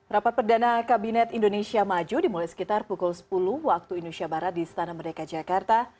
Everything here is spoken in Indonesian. rapat perdana kabinet indonesia maju dimulai sekitar pukul sepuluh waktu indonesia barat di istana merdeka jakarta